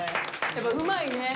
やっぱうまいね。